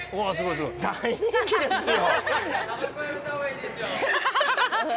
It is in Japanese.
大人気ですよ。